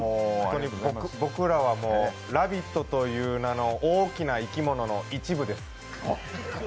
僕らは「ラヴィット！」という名の大きな生き物の一部です。